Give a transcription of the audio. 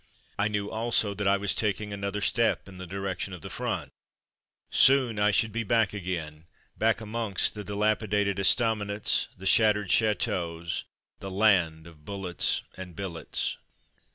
I knew, also, that I was taking another step in the direction of the front — soon I should be back again, back amongst the dilapi dated estaminetSy the shattered chateaux, the land of ''bullets and billets.